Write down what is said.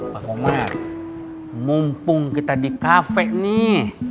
pak homar mumpung kita di kafe nih